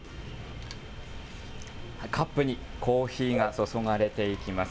カップにコーヒーが注がれていきます。